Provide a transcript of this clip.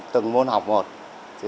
từng môn học một